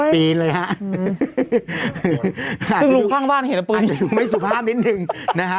ปีนเลยฮะพึ่งลูกข้างบ้านเห็นแต่ปืนไม่สุภาพนิดหนึ่งนะฮะ